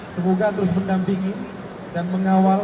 semoga terus berhasil